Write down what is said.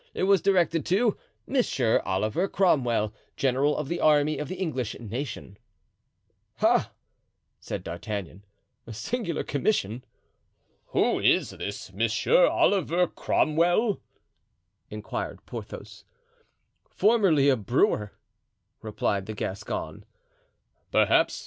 It was directed to "Monsieur Oliver Cromwell, General of the Army of the English Nation." "Ah!" said D'Artagnan; "a singular commission." "Who is this Monsieur Oliver Cromwell?" inquired Porthos. "Formerly a brewer," replied the Gascon.